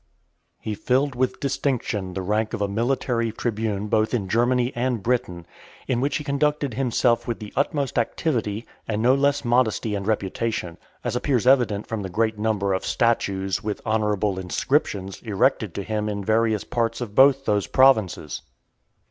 IV. He filled with distinction the rank of a military tribune both in Germany and Britain, in which he conducted himself with the utmost activity, and no less modesty and reputation; as appears evident from the great number of statues, with honourable inscriptions, erected to him in various parts of both those provinces.